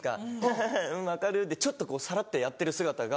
「ハハハうん分かる」ってちょっとさらってやってる姿が。